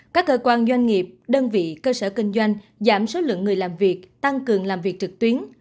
các cơ quan doanh nghiệp đơn vị cơ sở kinh doanh giảm số lượng người làm việc tăng cường làm việc trực tuyến